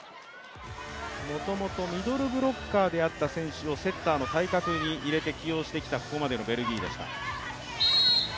もともとミドルブロッカーであった選手をセッターの対角に入れて起用してきたここまでのベルギーでした。